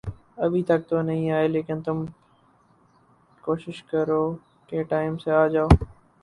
ابھی تک تو نہیں آئے، لیکن تم کوشش کرو کے ٹائم سے آ جاؤ۔